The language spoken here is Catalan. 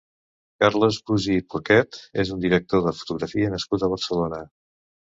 Carles Gusi Poquet és un director de fotografia nascut a Barcelona.